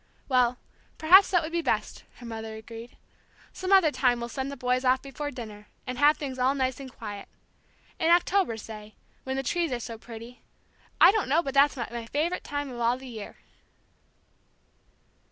"Well, perhaps that would be best," her mother agreed. "Some other time we'll send the boys off before dinner, and have things all nice and quiet. In October, say, when the trees are so pretty. I don't know but what that's my favorite time of all the year!"